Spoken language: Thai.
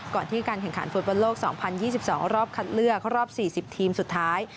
ก่อนที่การแข่งขันฟุตบอลโลก๒๐๒๒รอบคัดเลือกรอบ๔๐ทีมสุดท้าย